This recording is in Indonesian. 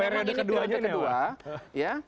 periode keduanya ini pak